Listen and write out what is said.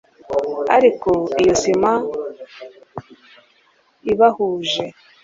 ariko iyo sima ibahuje